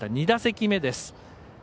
２打席目です。